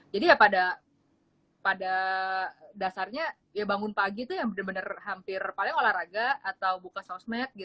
jadi pada dasarnya bangun pagi itu yang benar benar hampir paling olahraga atau buka sosmed